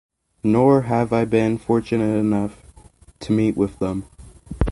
Nor have I been fortunate enough to meet with them.